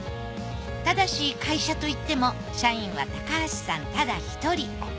ただし会社といっても社員は高橋さんただ一人。